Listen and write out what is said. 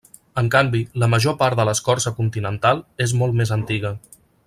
En canvi, la major part de l'escorça continental és molt més antiga.